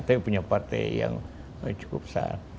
tapi punya partai yang cukup besar